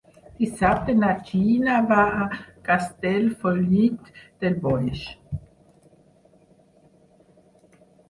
Dissabte na Gina va a Castellfollit del Boix.